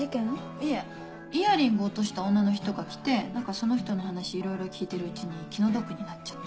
いえイヤリング落とした女の人が来てその人の話いろいろ聞いてるうちに気の毒になっちゃって。